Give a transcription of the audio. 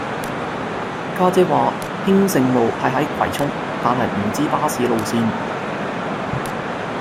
家姐話興盛路係喺葵涌但係唔知巴士路線